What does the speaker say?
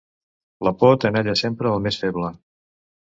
La por tenalla sempre el més feble.